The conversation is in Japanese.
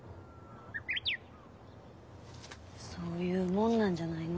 そういうもんなんじゃないの？